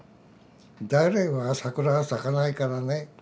大連は桜は咲かないからね。